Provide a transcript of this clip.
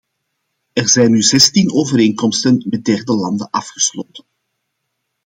Er zijn nu zestien overeenkomsten met derde landen afgesloten.